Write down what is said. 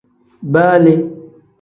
Baa le.